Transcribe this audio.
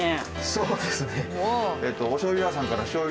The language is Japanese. そうですね。